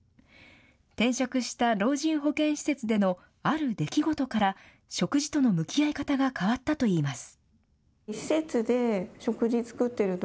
転職した老人保健施設でのある出来事から、食事との向き合い方が変わったといいます。